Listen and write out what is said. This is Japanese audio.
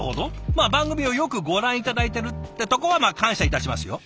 まあ番組をよくご覧頂いてるってとこはまあ感謝いたしますよ。